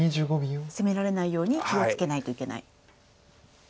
攻められないように気を付けないといけない。